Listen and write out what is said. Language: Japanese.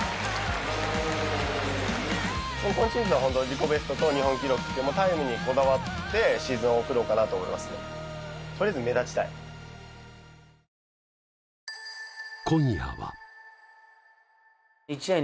もう今シーズンはホント自己ベストと日本記録ってタイムにこだわってシーズンを送ろうかなと思いますねすごいじゃあさあ始まりました